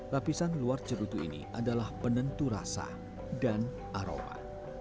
lapisan luar cerutu ini adalah penentu rasa dan aroma